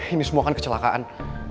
ini semua kan kecelakaan